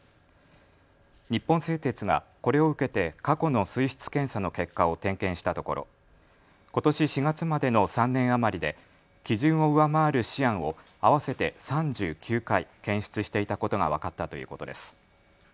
日本製鉄がこれを受けて過去の水質検査の結果を点検したところことし４月までの３年余りで基準を上回るシアンを合わせて３９回検出していたことが分かったということです。